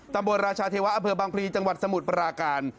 ตราชาเทวะอำเภอบางพลีจังหวัดสมุทรปราการ